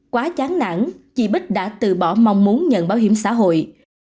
quá chán nản chị bích đã từ bỏ mong muốn nhận bảo hiểm xã hội